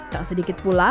tak sedikit pula